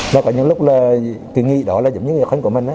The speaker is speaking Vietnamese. mà có những lúc là cái nghi đó là giống như người khán của mình á